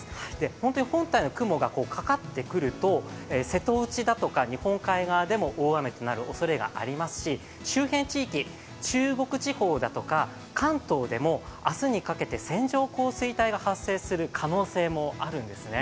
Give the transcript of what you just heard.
本当に本体の雲がかかってくると瀬戸内とか日本海側でも大雨となるおそれがありますし周辺地域、中国地方だとか関東でも明日にかけて線状降水帯が発生する可能性もあるんですね。